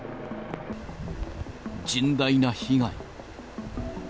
甚大な被害。